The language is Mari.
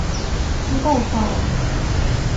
Могай парым?